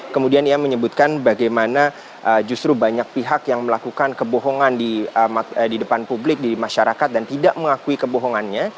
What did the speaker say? kemudian ia menyebutkan bagaimana justru banyak pihak yang melakukan kebohongan di depan publik di masyarakat dan tidak mengakui kebohongannya